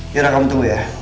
giliran kamu tunggu ya